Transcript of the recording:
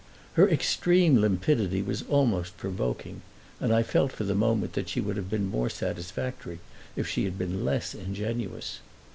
Her extreme limpidity was almost provoking, and I felt for the moment that she would have been more satisfactory if she had been less ingenuous.